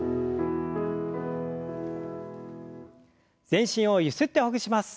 全身をゆすってほぐします。